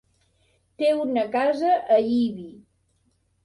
Té una casa a Ibi.